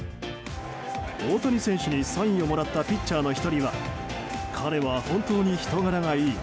大谷選手にサインをもらったピッチャーの１人は彼は本当に人柄がいい。